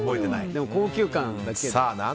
でも高級感だけで。